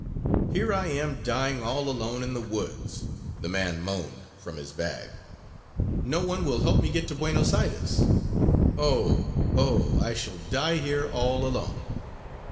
"Here I am dying all alone in the woods!" the man moaned from his bag. "No one will help me get to Buenos Aires! Oh, oh, I shall die here all alone!"